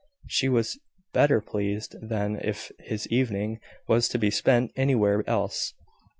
She was better pleased than if his evening was to be spent anywhere else.